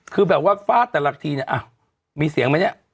คือแบบว่าฟาดแต่ละทีเนี่ยมีเสียงไหมเนี่ย